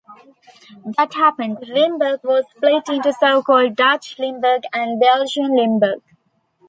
That happened; Limburg was split into so-called "Dutch" Limburg and "Belgian" Limburg.